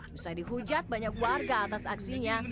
usai dihujat banyak warga atas aksinya